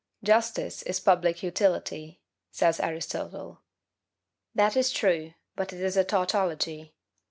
"Justice is public utility," says Aristotle. That is true, but it is a tautology.